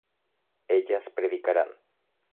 ellas predicarán